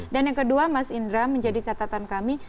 dan yang kedua mas indra menjadi catatan kami